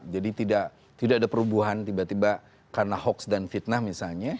jadi tidak ada perubahan tiba tiba karena hoaks dan fitnah misalnya